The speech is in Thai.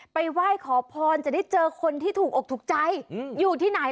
ไปไหว่ขอพรจะได้เจอคนที่ถูกองทุกใจ